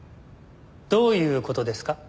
どういう事ですか？